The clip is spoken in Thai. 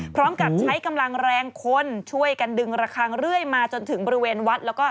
พร้อมกับใช้กำลังแรงคนช่วยกันดึงระคังเรื่อยมาจนถึงบริเวณวัดแล้วก็